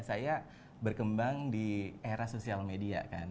saya berkembang di era sosial media kan